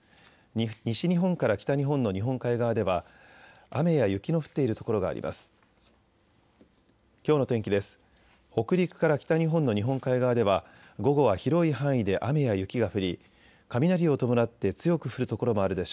西日本から北日本の日本海側では雨や雪の降っている所があります。